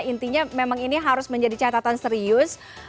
intinya memang ini harus menjadi catatan serius